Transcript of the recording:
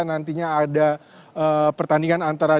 nantinya ada pertandingan antara